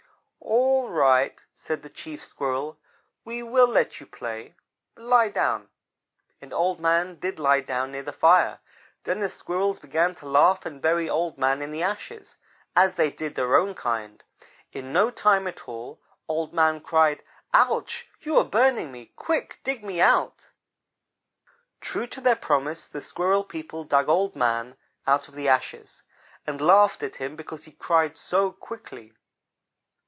"'All right,' said the Chief Squirrel, 'we will let you play. Lie down,' and Old Man did lie down near the fire. Then the Squirrels began to laugh and bury Old man in the ashes, as they did their own kind. In no time at all Old man cried: 'Ouch! you are burning me quick! dig me out.' "True to their promise, the Squirrel people dug Old man out of the ashes, and laughed at him because he cried so quickly.